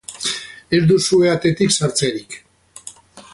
Ez duzue atetik sartzerik.